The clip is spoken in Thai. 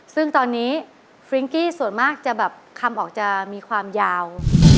ซึ่งตอนนี้ฟริ้งกี้ส่วนมากจะแบบคำออกจะมีความยาว